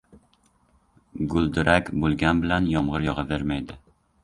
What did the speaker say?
• Guldurak bo‘lgan bilan yomg‘ir yog‘avermaydi.